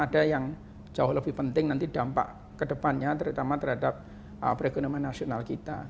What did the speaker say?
ada yang jauh lebih penting nanti dampak kedepannya terutama terhadap perekonomian nasional